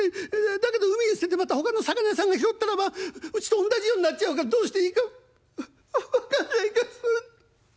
だけど海に捨ててまたほかの魚屋さんが拾ったらばうちとおんなじようになっちゃうからどうしていいかわ分かんない」。